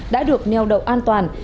đã được nèo đầu an toàn